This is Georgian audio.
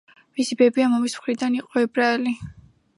მისი ბებია მამის მხრიდან იყო ებრაელი.